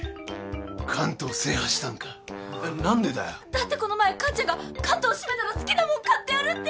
だってこの前母ちゃんが関東シメたら好きなもん買ってやるって言ってたじゃん！